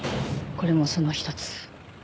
これもその一つ。